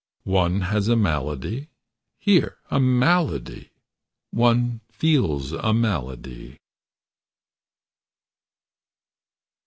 One has a malady, here, a malady. One feels a malady.